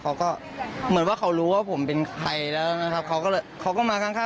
เวลาเค้าทำแผนใกล้เสร็จแล้วนะ